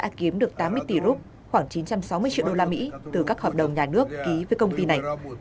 đã kiếm được tám mươi tỷ rút khoảng chín trăm sáu mươi triệu đô la mỹ từ các hợp đồng nhà nước ký với công ty này